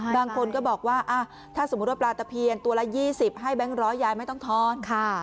บางคนก็บอกว่าถ้าสมมุติว่าปลาตะเพียนตัวละ๒๐ให้แบงค์ร้อยยายไม่ต้องทอนค่ะ